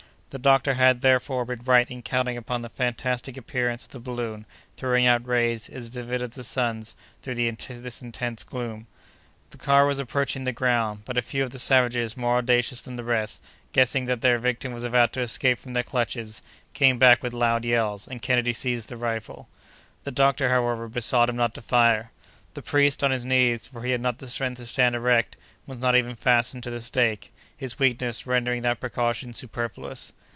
The doctor had, therefore, been right in counting upon the fantastic appearance of the balloon throwing out rays, as vivid as the sun's, through this intense gloom. The car was approaching the ground; but a few of the savages, more audacious than the rest, guessing that their victim was about to escape from their clutches, came back with loud yells, and Kennedy seized his rifle. The doctor, however, besought him not to fire. The priest, on his knees, for he had not the strength to stand erect, was not even fastened to the stake, his weakness rendering that precaution superfluous.